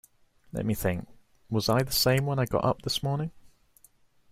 Let me think: was I the same when I got up this morning?